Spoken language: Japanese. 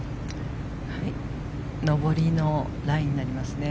上りのラインになりますね。